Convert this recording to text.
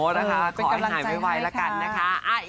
เป็นกำลังใจให้ค่ะอ๋อนะคะขอให้หายไวละกันนะคะ